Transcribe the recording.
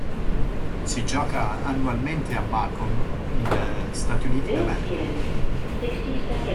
Si gioca annualmente a Macon in Stati Uniti d'America.